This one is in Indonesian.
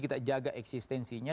kita jaga eksistensinya